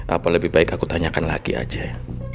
apa lebih baik aku tanyakan lagi aja ya